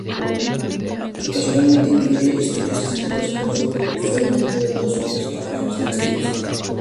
Ocasionalmente incluye historias escritas por Drudge, usualmente de dos o tres párrafos de extensión.